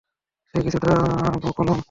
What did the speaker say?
সে কিছুটা ব-কলম।